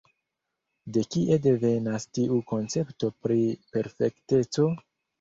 De kie devenas tiu koncepto pri perfekteco?